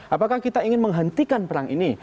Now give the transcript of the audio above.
apakah kita ingin menghentikan perang ini